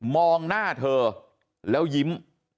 มองหน้าเธอแล้วยิ้ม